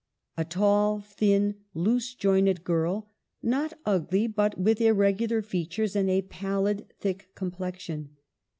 A tall, thin, loose jointed girl — not ugly, but with irregular features and a pallid thick complexion.